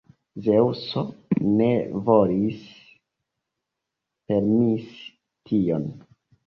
Zeŭso ne volis permesi tion.